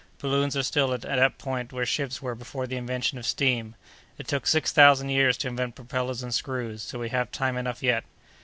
Balloons are still at that point where ships were before the invention of steam. It took six thousand years to invent propellers and screws; so we have time enough yet."